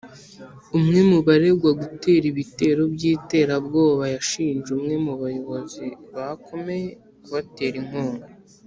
Umwe mu baregwa gutera ibitero by’iterabwoba yashinje umwe mu bayobozi bakomeye kubatera inkunga